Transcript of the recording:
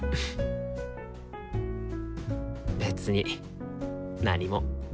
別に何も。